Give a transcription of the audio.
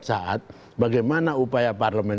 saat bagaimana upaya parlemen